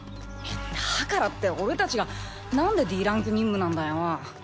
だからって俺たちがなんでＤランク任務なんだよ。